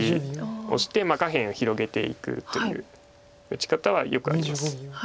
オシて下辺を広げていくという打ち方はよくあります。